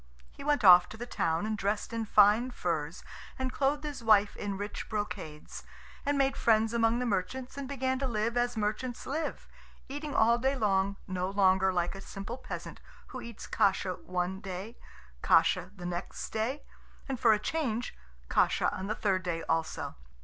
He went off to the town, and dressed in fine furs, and clothed his wife in rich brocades, and made friends among the merchants, and began to live as merchants live, eating all day long, no longer like a simple peasant who eats kasha one day, kasha the next day, and for a change kasha on the third day also.